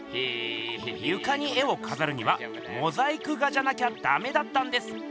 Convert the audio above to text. ゆかに絵をかざるにはモザイク画じゃなきゃだめだったんです。